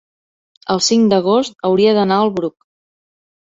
el cinc d'agost hauria d'anar al Bruc.